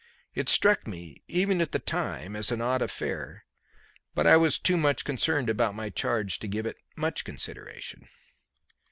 It struck me, even at the time, as an odd affair, but I was too much concerned about my charge to give it much consideration.